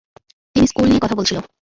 তিনি স্কুল নিয়ে কথা বলছিল।